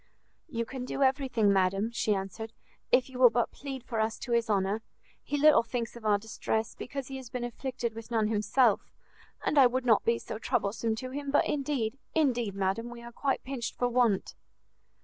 "You can do everything, madam," she answered, "if you will but plead for us to his honour: he little thinks of our distress, because he has been afflicted with none himself, and I would not be so troublesome to him, but indeed, indeed, madam, we are quite pinched for want!"